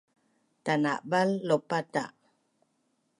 Tanabal laupata